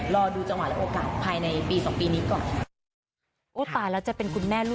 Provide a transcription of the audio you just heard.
รอดูจังหวะและโอกาสภายในปี๒ปีนี้ก่อน